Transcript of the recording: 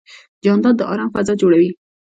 جانداد د ارام فضا جوړوي.